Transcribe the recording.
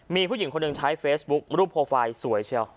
มีผู้หญิงคนหนึ่งใช้เฟซบุ๊ครูปโปรไฟล์สวยเชียว